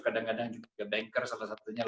kadang kadang juga banker salah satunya